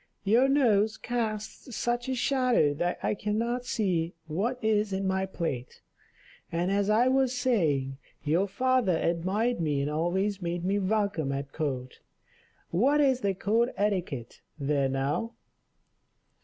Your nose casts such a shadow that I cannot see what is in my plate. And, as I was saying, your father admired me and always made me welcome at court. What is the court etiquette there now?